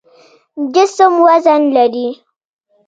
جسم وزن لري.